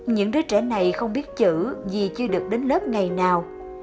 những đứa trẻ này không biết chữ vì chưa được đến lớp ngày nào